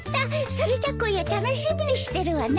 それじゃ今夜楽しみにしてるわね。